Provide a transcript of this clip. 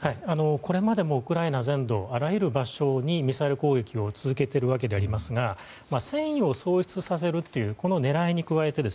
これまでもウクライナ全土あらゆる場所にミサイル攻撃を続けているわけですが戦意を喪失させるという狙いに加えて